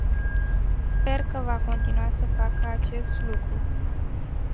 Sper că va continua să facă acest lucru.